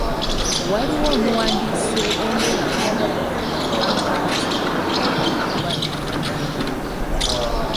Waliwo omuwandiisi omu eyawandiika nga agamba nti "Omukwano ogwa Nnamaddala"